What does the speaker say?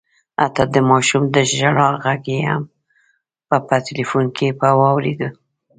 حتی د ماشوم د ژړا غږ یې هم په ټلیفون کي په واورېد